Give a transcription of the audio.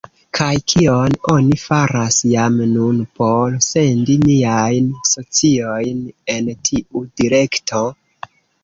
Kaj kion oni faras jam nun por sendi niajn sociojn en tiu direkto?